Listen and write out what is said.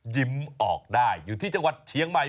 ยิ้มออกได้อยู่ที่จังหวัดเชียงใหม่